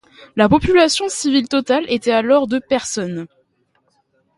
La population civile totale était alors de personnes.